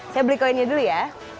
saya beli koinnya dulu ya